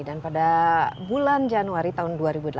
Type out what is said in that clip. dan pada bulan januari tahun dua ribu delapan belas